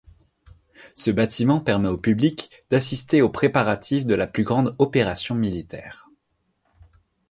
Ce bâtiment permet au public d'assister aux préparatifs de la plus grande opération militaire.